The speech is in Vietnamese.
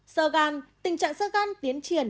sơ gan tình trạng sơ gan tiến triển